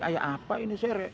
ayah apa ini sire